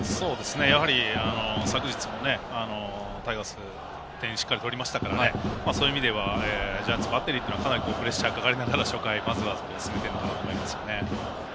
やはり、昨日もタイガース点をしっかり取りましたからそういう意味ではジャイアンツバッテリーはかなりプレッシャーかかりながら初回まずは進めたいと思いますね。